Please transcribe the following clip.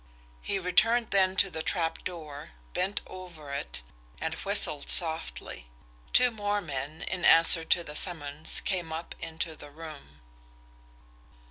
He returned then to the trapdoor, bent over it, and whistled softly. Two more men, in answer to the summons, came up into the room.